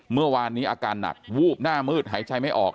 เมื่อวานนี้อาการหนักวูบหน้ามืดหายใจไม่ออก